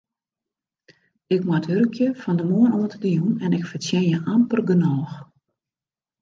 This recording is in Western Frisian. Ik moat wurkje fan de moarn oant de jûn en ik fertsjinje amper genôch.